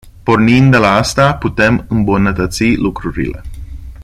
Pornind de la asta putem îmbunătăți lucrurile.